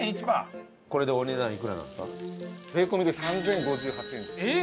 税込みで３０５８円です。えっ？